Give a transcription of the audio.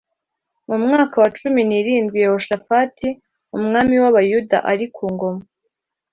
Mu mwaka wa cumi n’irindwi Yehoshafati umwami w’Abayuda ari ku ngoma